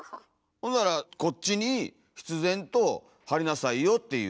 ほんならこっちに必然と貼りなさいよっていう。